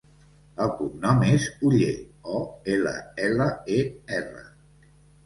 El cognom és Oller: o, ela, ela, e, erra.